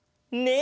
「ね」